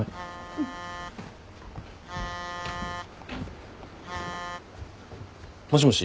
うん。もしもし。